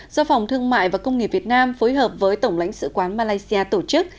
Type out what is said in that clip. do phòng thương mại và công nghiệp việt nam phối hợp với tổng lãnh sự quán malaysia tổ chức